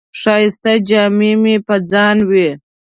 ښایسته جامې یې په ځان وې.